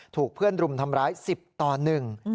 ถูกเพื่อนรุมทำร้ายสิบต่อหนึ่ง